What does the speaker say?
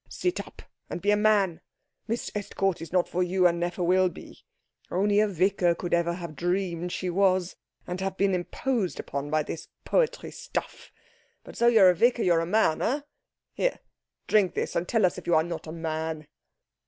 Sit up, and be a man. Miss Estcourt is not for you, and never will be. Only a vicar could ever have dreamed she was, and have been imposed upon by this poetry stuff. But though you're a vicar you're a man, eh? Here, drink this, and tell us if you are not a man."